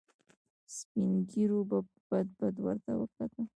سپين ږيرو به بد بد ورته وکتل.